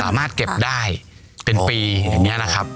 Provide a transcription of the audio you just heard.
สามารถเก็บได้เป็นปีอย่างนี้นะครับ